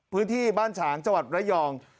พื้นที่บ้านฉางจังหวัดระยอง